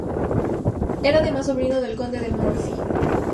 Era además sobrino del conde de Morphy.